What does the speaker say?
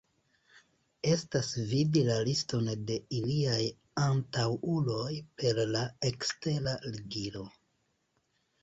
Eblas vidi la liston de iliaj antaŭuloj per la ekstera ligilo.